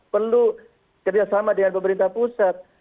perlu kerjasama dengan pemerintah pusat